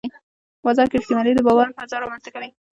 بازار کې رښتینولي د باور فضا رامنځته کوي